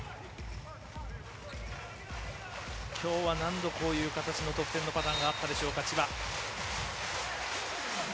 きょうは何度こういう得点のパターンがあったでしょうか、千葉。